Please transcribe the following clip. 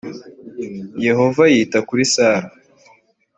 yehova yita kuri sara